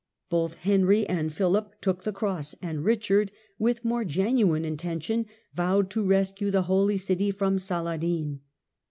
Both Henry and Philip took the Cross, and Richard with more genuine intention vowed to rescue the Holy City from Saladin.